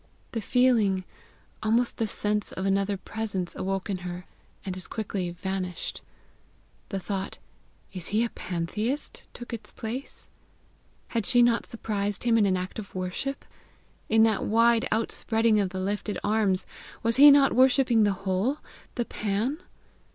The feeling, almost the sense of another presence awoke in her, and as quickly vanished. The thought, IS HE A PANTHEIST? took its place. Had she not surprised him in an act of worship? In that wide outspreading of the lifted arms, was he not worshipping the whole, the Pan?